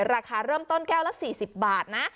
ราคาเริ่มต้นแก้วละ๔๐บาทนะ